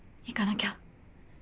いかなきゃ。